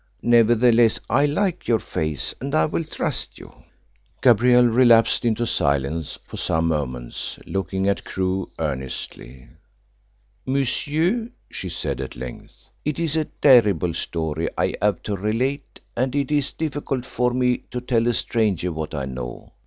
Nevertheless, I like your face, and I will trust you." Gabrielle relapsed into silence for some moments, looking at Crewe earnestly. "Monsieur," she said at length, "it is a terrible story I have to relate, and it is difficult for me to tell a stranger what I know.